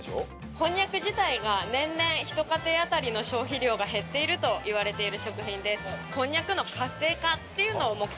こんにゃく自体が年々ひと家庭当たりの消費量が減っているといわれている食品です。